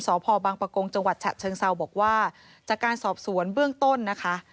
สพบังปะโกงจังหวัดฉะเชิงเซาบอกว่าจากการสอบสวนเบื้องต้นนะคะ